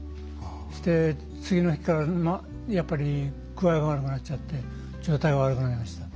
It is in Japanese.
そして次の日からやっぱり具合が悪くなっちゃって状態が悪くなりました。